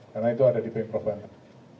karena itu ada di pengpro banten